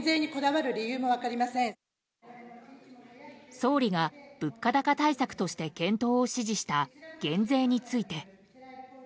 総理が物価高対策として検討を指示した減税について。